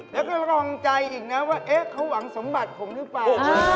แล้วก็รองใจอีกนะว่าเขาหวังสมบัติผมหรือเปล่า